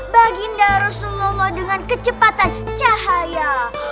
baginda rasulullah dengan kecepatan cahaya